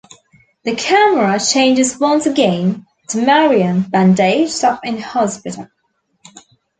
The camera changes once again, to Marion bandaged up in hospital.